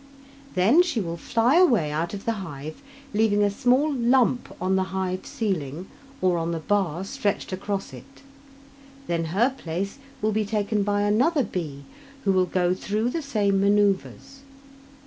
Then she will fly away out of the hive, leaving a small lump on the hive ceiling or on the bar stretched across it; then her place will be taken by another bee who will go through the same manoeuvres.